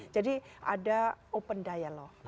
jadi ada open dialogue